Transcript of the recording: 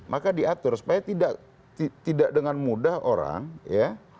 maka diatur supaya tidak dengan mudah orang ya